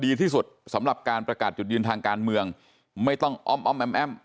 ดีที่สุดสำหรับการประกาศจุดยืนทางการเมืองไม่ต้องอ้อมอ้อมแอมแอ้ม